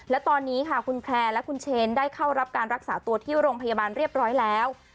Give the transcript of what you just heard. และตอนนี้ค่ะคุณแพร่และคุณเชนได้เข้ารับการรักษาตัวที่โรงพยาบาลเรียบร้อยแล้ว